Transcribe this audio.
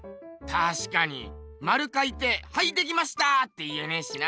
たしかにまるかいてはいできましたって言えねえしな。